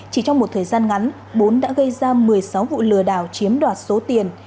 chỉ trong một thời gian ngắn bốn đã gây ra một mươi sáu vụ lừa đảo chiếm đoạt số tiền